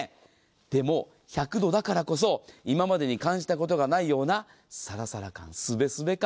でも、１００度だからこそ今までに感じたことがないようなサラサラ感、スベスベ感。